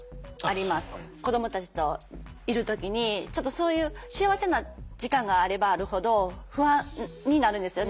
子どもたちといる時にちょっとそういう幸せな時間があればあるほど不安になるんですよね。